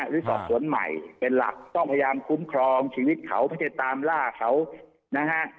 หรือสอบสวนใหม่เป็นหลักต้องพยายามคุ้มครองชีวิตเขาไม่ใช่ตามล่าเขานะฮะ